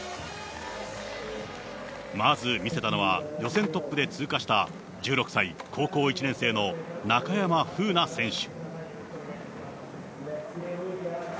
まず見せたのは、予選トップで通過した１６歳、高校１年生の中山楓奈選手。